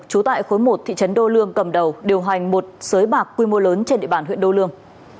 trú tại khối một thị trấn đô lương cầm đầu điều hành một sới bạc quy mô lớn trên địa bàn huyện đô lương